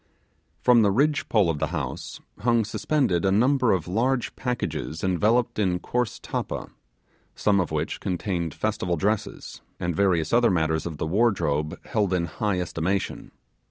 From the ridge pole of the house hung suspended a number of large packages enveloped in coarse tappa; some of which contained festival dresses, and various other matters of the wardrobe, held in high estimation.